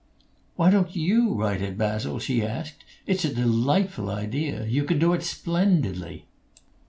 "Why don't you write it, Basil?" she asked. "It's a delightful idea. You could do it splendidly."